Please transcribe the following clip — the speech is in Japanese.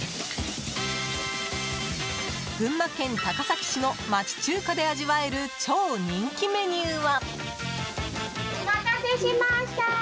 群馬県高崎市の町中華で味わえる超人気メニューは。